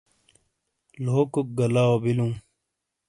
لوکوک گہ لاؤ بیلو۔